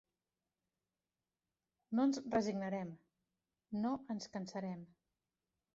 No ens resignarem, no ens cansarem.